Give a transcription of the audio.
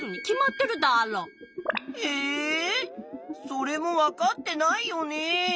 それもわかってないよね。